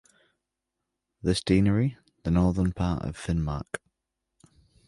This deanery the northern part of Finnmark.